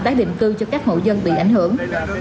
tái định cư cho các hộ dân bị ảnh hưởng